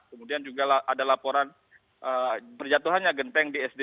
kemudian juga ada laporan perjatuhannya genteng di sd satu